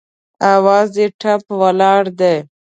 اواز یې ټپ ولاړ دی